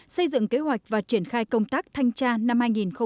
xây dựng kế hoạch và triển khai công tác thanh tra năm hai nghìn hai mươi